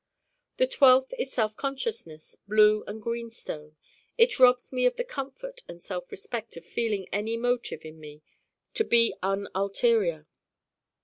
the twelfth is Self consciousness, blue and green stone it robs me of the comfort and self respect of feeling any motive in me to be un ulterior.